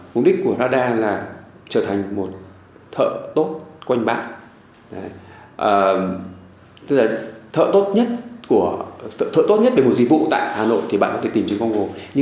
mục đích của radar là trở thành một thợ tốt quanh bán